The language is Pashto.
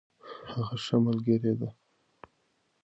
هغه ښه ملګرې ده.